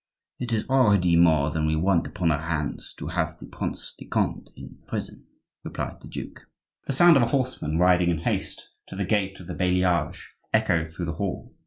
"It is already more than we want upon our hands to have the Prince de Conde in prison," replied the duke. The sound of a horseman riding in haste to the gate of the Bailliage echoed through the hall.